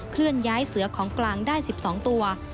เคลื่อนย้ายเสือของกลางได้๑๒ตัว